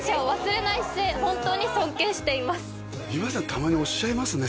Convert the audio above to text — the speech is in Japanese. たまにおっしゃいますね